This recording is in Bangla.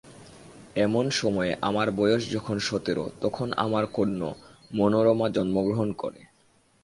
এমন সময়ে আমার বয়স যখন সতেরো তখন আমার কন্য মনোরমা জনন্মগ্রহণ করে।